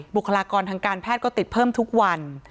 บุคลากรทางการแพทย์ก็ติดเพิ่มทุกวัน